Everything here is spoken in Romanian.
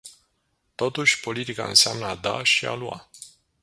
Totuși, politica înseamnă a da și a lua.